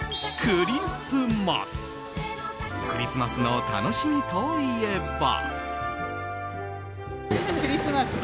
クリスマスの楽しみといえば。